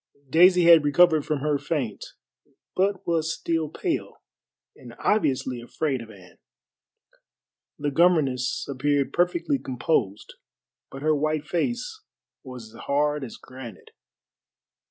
Daisy had recovered from her faint, but was still pale and obviously afraid of Anne. The governess appeared perfectly composed, but her white face was as hard as granite.